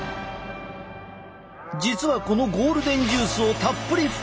実はこのゴールデンジュースをたっぷり含んだ肉がある。